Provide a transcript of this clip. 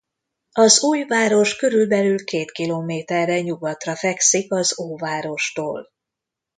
Az új város körülbelül két kilométerre nyugatra fekszik az Óvárostól.